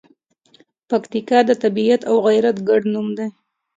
پکتیکا د طبیعت او غیرت ګډ نوم دی.